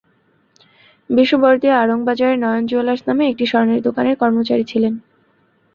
বিষু বরদিয়া আড়ং বাজারের নয়ন জুয়েলার্স নামে একটি স্বর্ণের দোকানের কর্মচারী ছিলেন।